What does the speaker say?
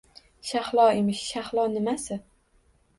Shahlo emish… Shahlo nimasi?